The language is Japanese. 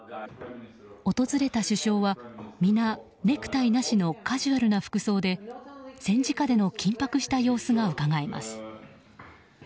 訪れた首相は、皆ネクタイなしのカジュアルな服装で戦時下での緊迫した様子がうかがえます。